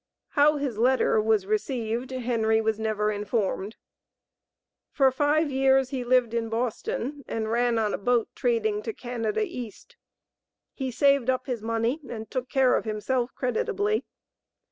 How his letter was received Henry was never informed. For five years he lived in Boston and ran on a boat trading to Canada East. He saved up his money and took care of himself creditably.